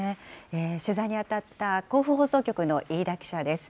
取材に当たった甲府放送局の飯田さんです。